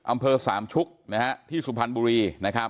อำเภอสามชุกที่สุพรรณบุรี